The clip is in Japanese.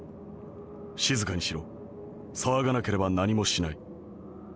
『静かにしろ騒がなければ何もしない』。